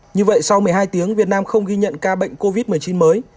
như vậy sau một mươi hai tiếng việt nam không ghi nhận ca bệnh covid một mươi chín mới